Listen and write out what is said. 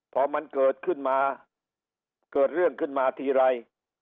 พอมันเกิดขึ้นมาเกิดเรื่องขึ้นมาทีไร